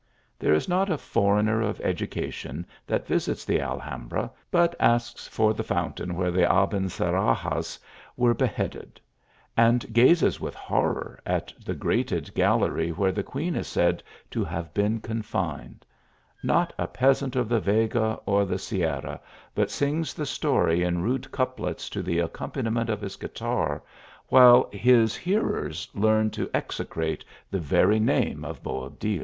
There is not a foreigner of education that visits .ne Alhambra, but asks for the fountain where the Abencerrages were beheaded ; and gazes with hor ror at the grated gallery where the queen is said to nave been confined ; not a peasant of the Vega or the Sierra, but sings the story in rude couplets to the accompaniment of his guitar, while his hearers learn to execrate the very name of Boabdil.